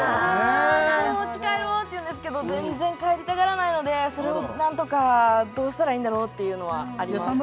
もうおうち帰ろうって言うんですけど全然帰りたがらないのでそれを何とかどうしたらいいんだろうっていうのはありますやさ